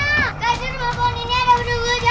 gak ada rumah poni ada budak budaknya